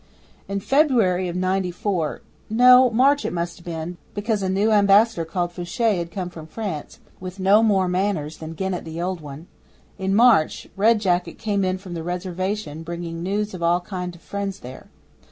'In February of 'Ninety four No, March it must have been, because a new Ambassador called Faucher had come from France, with no more manners than Genet the old one in March, Red Jacket came in from the Reservation bringing news of all kind friends there.